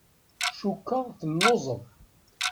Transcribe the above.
Cukkeɣ telluẓeḍ.